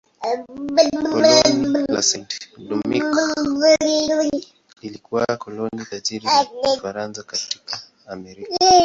Koloni la Saint-Domingue lilikuwa koloni tajiri la Ufaransa katika Amerika.